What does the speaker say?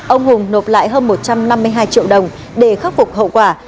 ông hùng nộp lại hơn một trăm năm mươi hai triệu đồng để khắc phục hậu quả